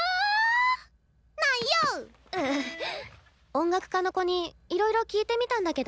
音楽科の子にいろいろ聞いてみたんだけどね。